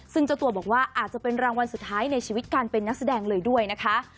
ซึ่งเจ้าตัวบอกว่าอาจจะเป็นรางวัลสุดท้ายในชีวิตการเป็นนักแสดงเลยด้วยนะคะ